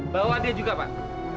bawa dia juga pak